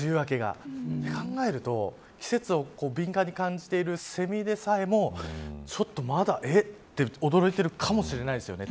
そう考えると、季節を敏感に感じているセミでさえもちょっと、まだえっと驚いているかもしれませんね。